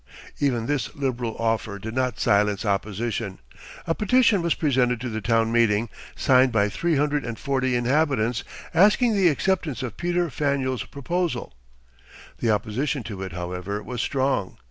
Even this liberal offer did not silence opposition. A petition was presented to the town meeting, signed by three hundred and forty inhabitants, asking the acceptance of Peter Faneuil's proposal. The opposition to it, however, was strong.